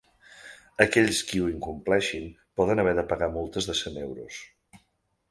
Aquells qui ho incompleixin poden haver de pagar multes de cent euros.